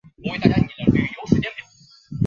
每种油种的冒烟点都不同。